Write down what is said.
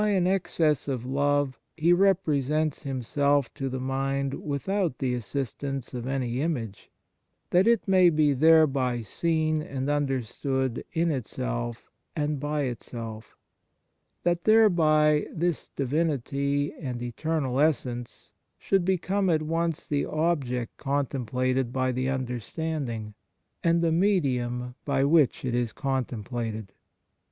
xxx. ; cf. in Ps. cxix. 64 ON THE SUBLIME UNION WITH GOD excess of love He represents Himself to the mind without the assistance of any image, that it may be thereby seen and understood in itself and by itself; that thereby this Divinity and Eternal Essence should become at once the object con templated by the understanding, and the medium by which it is contemplated.